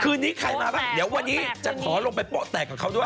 นี้ใครมาบ้างเดี๋ยววันนี้จะขอลงไปโป๊ะแตกกับเขาด้วย